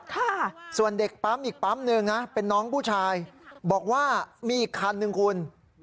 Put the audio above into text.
ค่ะส่วนเด็กปั๊มอีกปั๊มหนึ่งนะเป็นน้องผู้ชายบอกว่ามีอีกคันหนึ่งคุณ